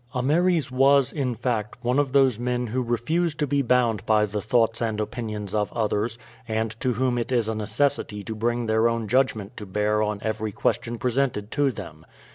Ameres was, in fact, one of those men who refuse to be bound by the thoughts and opinions of others, and to whom it is a necessity to bring their own judgment to bear on every question presented to them.